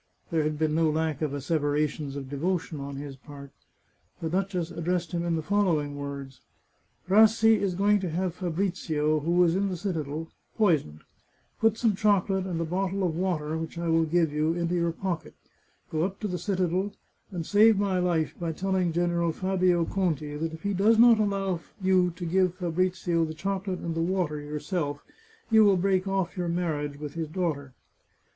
There had been no lack of asseverations of devotion on his part. The duchess addressed him in the following words :" Rassi is going to have Fabrizio, who is in the citadel, poisoned. Put some chocolate and a bottle of water, which 472 The Chartreuse of Parma I will give you, into your pocket. Go up to the citadel, and save my life by telling General Fabio Conti that if he does not allow you to give Fabrizio the chocolate and the water yourself, you will break off your marriage with his daughter."